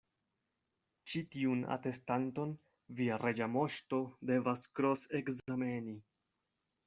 "Ĉi tiun atestanton via Reĝa Moŝto devas kros-ekzameni.